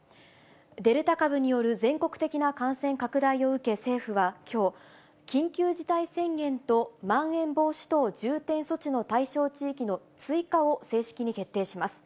デルタ株による全国的な感染拡大を受け政府はきょう、緊急事態宣言とまん延防止等重点措置の対象地域の追加を正式に決定します。